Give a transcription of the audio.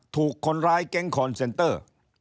ถูกคนร้ายแก๊งคอนเซนเตอร์